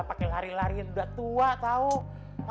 pake lari lari yang udah tua tau lah yaa